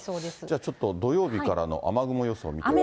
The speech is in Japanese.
じゃあ、ちょっと土曜日からの雨雲予想見ていきましょう。